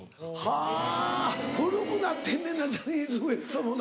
はぁ古くなってんねんなジャニーズＷＥＳＴもな。